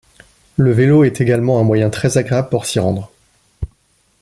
Le vélo est également un moyen très agréable pour s’y rendre.